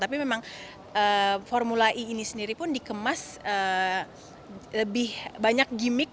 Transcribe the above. tapi memang formula e ini sendiri pun dikemas lebih banyak gimmick